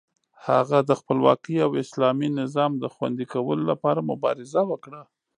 هغه د خپلواکۍ او اسلامي نظام د خوندي کولو لپاره مبارزه وکړه.